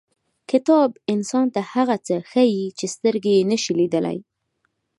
• کتاب انسان ته هغه څه ښیي چې سترګې یې نشي لیدلی.